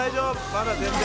まだ全然。